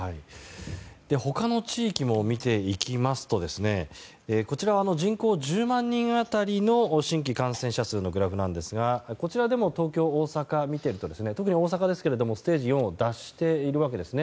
他の地域も見ていきますとこちらは人口１０万人当たりの新規感染者数のグラフですがこちらでも東京、大阪見てると特に大阪はステージ４を脱しているわけですね。